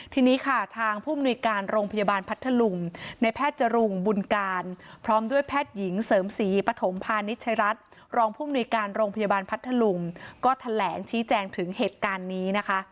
ทีนี้ค่ะทางผู้มนุยการโรงพยาบาลพัทธลุงในแพทย์จรุงบุญการพร้อมด้วยแพทย์หญิงเสริมศรีปฐมพาณิชยรัฐรองผู้มนุยการโรงพยาบาลพัทธลุงก็แถลงชี้แจงถึงเหตุการณ์นี้นะคะ